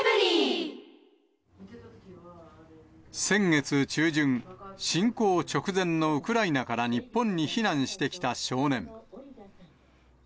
先月中旬、侵攻直前のウクライナから日本に避難してきた少年。